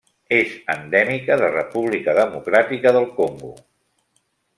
És endèmica de República Democràtica del Congo.